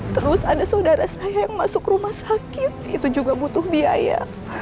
terus ada saudara saya yang masuk rumah sakit itu juga butuh biaya